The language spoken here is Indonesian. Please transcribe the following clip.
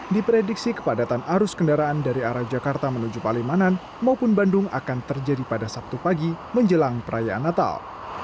diprediksi kepadatan arus kendaraan dari arah jakarta menuju palimanan maupun bandung akan terjadi pada sabtu pagi menjelang perayaan natal